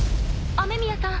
雨宮さん